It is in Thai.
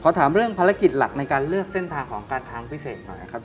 ถามเรื่องภารกิจหลักในการเลือกเส้นทางของการทางพิเศษหน่อยนะครับ